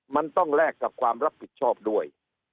มันต้องแลกกับความรับผิดชอบด้วย